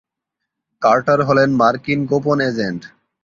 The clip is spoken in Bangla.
কার্টার হলেন মার্কিন গোপন এজেন্ট।